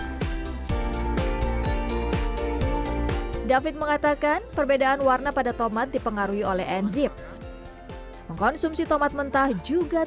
hai david mengatakan perbedaan warna pada tomat dipengaruhi oleh enzim mengkonsumsi tomat mentah juga